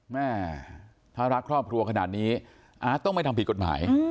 แม่ถ้ารักครอบครัวขนาดนี้อาร์ตต้องไม่ทำผิดกฎหมาย